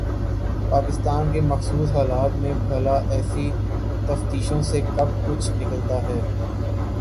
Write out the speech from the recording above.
پاکستان کے مخصوص حالات میں بھلا ایسی تفتیشوں سے کب کچھ نکلتا ہے؟